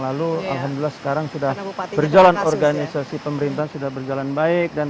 lalu alhamdulillah sekarang sudah berjalan organisasi pemerintahan sudah berjalan baik dan